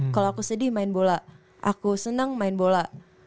kalo aku sedih main bola aku seneng main bola